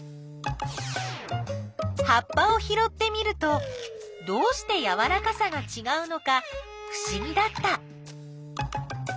葉っぱをひろってみるとどうしてやわらかさがちがうのかふしぎだった。